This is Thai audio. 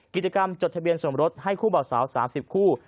กิจกรรมจดทะเบียนส่งรถให้คู่เบาสาว๓๐คู่